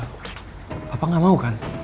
papa gak mau kan